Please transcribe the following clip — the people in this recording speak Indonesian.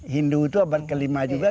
hindu itu abad ke lima juga